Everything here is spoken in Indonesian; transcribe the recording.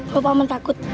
kalau paman takut